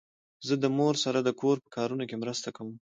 زه د مور سره د کور په کارونو کې مرسته کوم.